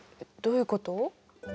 どういうこと？